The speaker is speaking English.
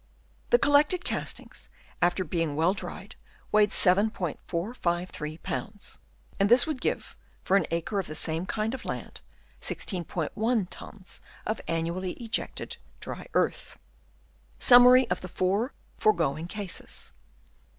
The collected castings, after being well dried, weighed 7*453 pounds ; and this would give, for an acre of the same kind of land, 16*1 tons of annually ejected dry earth. Summary of the four foregoing Cases.